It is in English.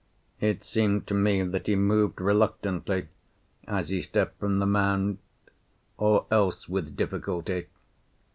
It seemed to me that he moved reluctantly as he stepped from the mound, or else with difficulty.